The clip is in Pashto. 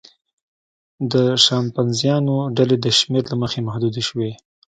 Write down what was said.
د شامپانزیانو ډلې د شمېر له مخې محدودې وي.